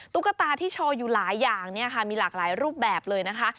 ตุ๊กตาที่โชว์อยู่หลายอย่างเนี่ยค่ะมีหลากหลายรูปแบบเลยนะคะ